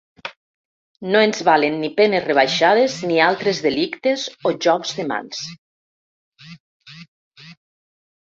No ens valen ni penes rebaixades ni altres delictes o jocs de mans.